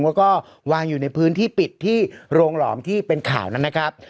แล้วก็วางอยู่ในพื้นที่ปิดที่โรงหลอมที่เป็นข่าวนั้นนะครับ